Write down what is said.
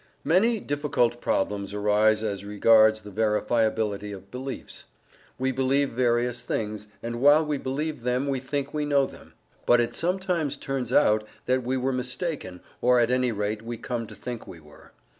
Many difficult problems arise as regards the verifiability of beliefs. We believe various things, and while we believe them we think we know them. But it sometimes turns out that we were mistaken, or at any rate we come to think we were.